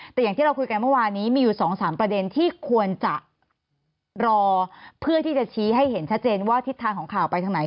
แต่อย่างที่เราคุยกันเมื่อวานนี้มีอยู่๒๓ประเด็นที่ควรจะรอเพื่อที่จะชี้ให้เห็นชัดเจนว่าทิศทางของข่าวไปทางไหน